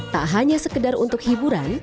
tak hanya sekedar untuk hiburan